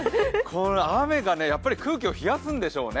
雨がね、空気を冷やすんでしょうね